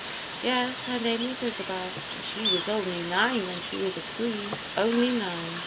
"Yes, her name was Isabel." "And she was only nine when she was a queen." "Only nine."